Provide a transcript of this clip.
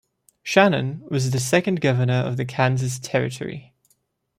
Shannon was the second governor of the Kansas Territory.